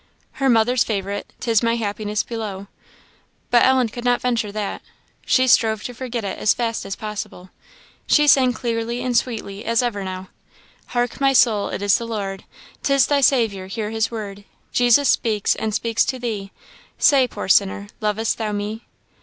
Her mother's favourite, " 'T is my happiness below," but Ellen could not venture that; she strove to forget it as fast as possible. She sang clearly and sweetly as ever now "Hark, my soul, it is the Lord, 'T is thy Saviour, hear his word, Jesus speaks, and speaks to thee: 'Say, poor sinner, lovest thou me?